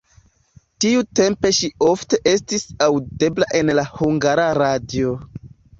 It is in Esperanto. Tiutempe ŝi ofte estis aŭdebla en la Hungara Radio.